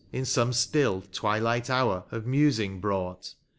In some still, twilight hour of musing brought.